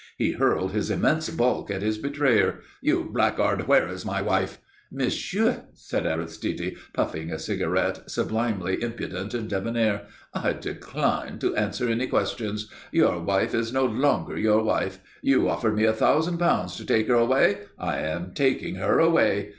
He hurled his immense bulk at his betrayer. "You blackguard! Where is my wife?" "Monsieur," said Aristide, puffing a cigarette, sublimely impudent and debonair, "I decline to answer any questions. Your wife is no longer your wife. You offered me a thousand pounds to take her away. I am taking her away.